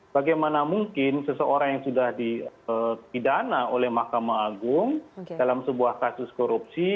bagaimana mungkin seseorang yang sudah dipidana oleh mahkamah agung dalam sebuah kasus korupsi